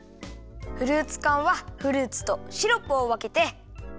フルーツかんはフルーツとシロップをわけて。